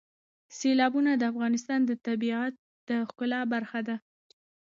سیلابونه د افغانستان د طبیعت د ښکلا برخه ده.